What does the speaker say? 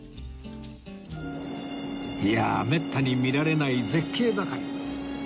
いやあめったに見られない絶景ばかり